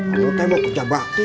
anu teh mau kerja bakti